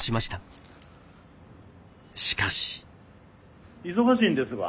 しかし。